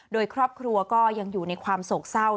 โดยครอบครัวก็ยังอยู่ในความโศกเศร้า